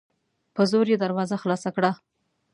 په زور یې دروازه خلاصه کړه